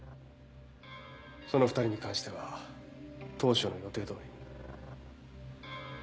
その２人に関しては当初の予定どおりに。